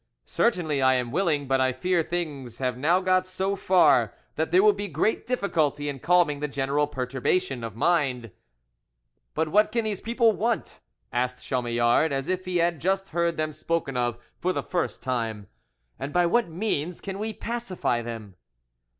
"Certainly I am willing; but I fear things have now got so far that there will be great difficulty in calming the general perturbation of mind." "But what can these people want?" asked Chamillard, as if he had just heard them spoken of for the first time, "and by what means can we pacify them?"